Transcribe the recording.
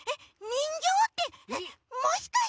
にんぎょうってもしかして。